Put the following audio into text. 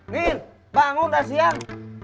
nen bangun ini l' w dawn